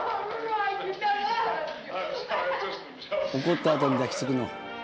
怒ったあとに抱きつくの。